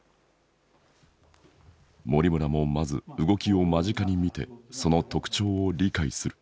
森村もまず動きを間近に見てその特徴を理解する。